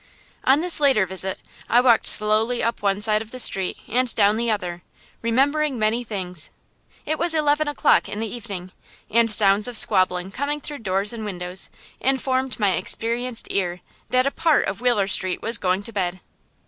On this later visit I walked slowly up one side of the street, and down the other, remembering many things. It was eleven o'clock in the evening, and sounds of squabbling coming through doors and windows informed my experienced ear that a part of Wheeler Street was going to bed.